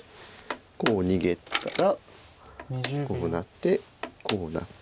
こう逃げたらこうなってこうなって。